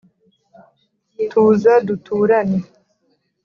Tuza duturane